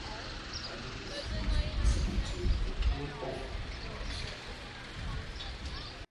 Hundreds of students participated from all over the Pakistan.